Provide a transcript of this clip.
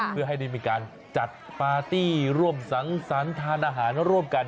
เพื่อให้ได้มีการจัดปาร์ตี้ร่วมสังสรรค์ทานอาหารร่วมกัน